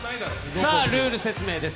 さあ、ルール説明です。